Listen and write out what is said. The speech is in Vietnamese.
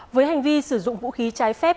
với hành vi sử dụng vũ khí trái phép